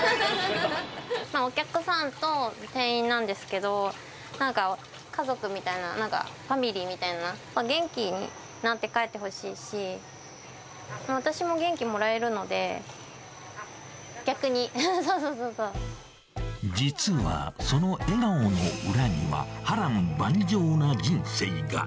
お客さんと店員なんですけど、なんか家族みたいな、なんかファミリーみたいな、元気になって帰ってほしいし、私も元気もらえるので、逆に、実は、その笑顔の裏には、波乱万丈な人生が。